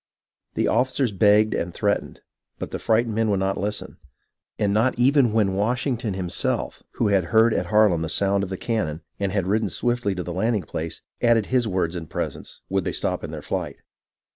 The officers begged and threat ened, but the frightened men would not listen ; and not even when Washington himself, who had heard at Harlem the sound of the cannon, and had ridden swiftly to the landing place, added his words and presence, would they stop in their flight.